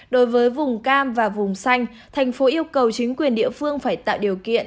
đối với vùng cam và vùng xanh thành phố yêu cầu chính quyền địa phương phải tạo điều kiện